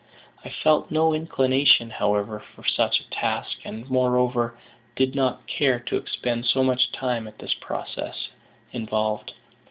I felt no inclination, however, for such a task, and, moreover, did not care to expend so much time as this process involved.